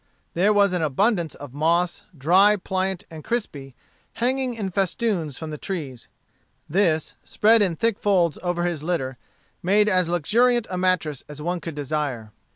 There was an abundance of moss, dry, pliant, and crispy, hanging in festoons from the trees. This, spread in thick folds over his litter, made as luxuriant a mattress as one could desire.